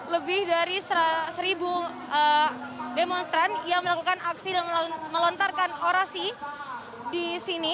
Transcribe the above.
lebih dari seribu demonstran yang melakukan aksi dan melontarkan orasi di sini